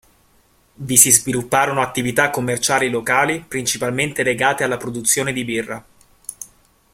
Vi si svilupparono attività commerciali locali, principalmente legate alla produzione di birra.